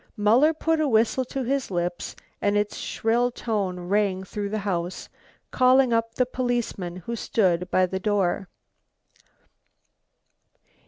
Muller put a whistle to his lips and its shrill tone ran through the house, calling up the policeman who stood by the door.